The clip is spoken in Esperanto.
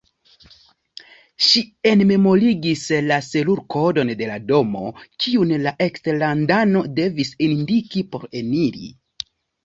Ŝi enmemorigis la serurkodon de la domo, kiun la eksterlandano devis indiki por eniri.